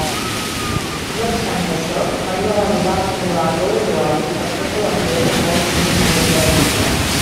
No obstant això, mai no va arribar a acumular prou usuaris per fer que l'empresa fos mínimament rendible.